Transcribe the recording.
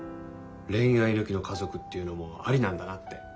恋愛抜きの家族っていうのもありなんだなって。